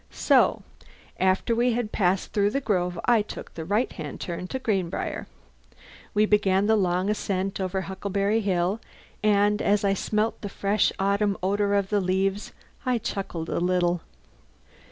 So, after we had passed through the grove, I took the right hand turn to Greenbriar. We began the long ascent over Huckleberry Hill and as I smelt the fresh autumn odour of the leaves I chuckled a little.